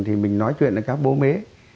thì mình nói chuyện với các bố mế